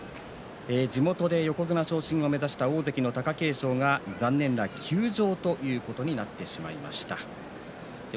地元で横綱昇進を目指した大関の貴景勝が残念な休場ということになってしまいました。